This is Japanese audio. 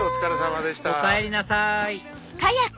おかえりなさい！